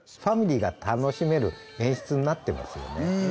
ファミリーが楽しめる演出になってますよね